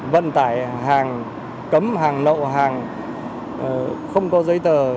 vận tải hàng cấm hàng lậu hàng không có giấy tờ